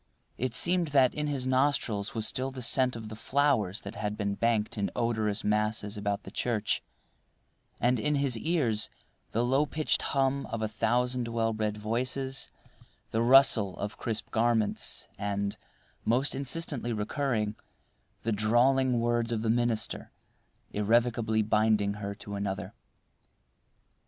It seemed that in his nostrils was still the scent of the flowers that had been banked in odorous masses about the church, and in his ears the lowpitched hum of a thousand well bred voices, the rustle of crisp garments, and, most insistently recurring, the drawling words of the minister irrevocably binding her to another.